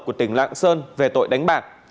của tỉnh lạng sơn về tội đánh bạc